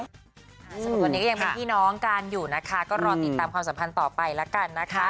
สำหรับวันนี้ก็ยังเป็นพี่น้องกันอยู่นะคะก็รอติดตามความสัมพันธ์ต่อไปแล้วกันนะคะ